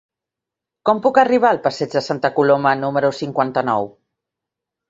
Com puc arribar al passeig de Santa Coloma número cinquanta-nou?